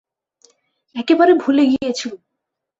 একেবারে ভুলে গিয়েছিলুম।